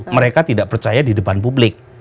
mereka tidak percaya di depan publik